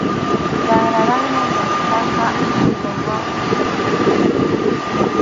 Ranraranra ñantaqa yuyaywanmi rina.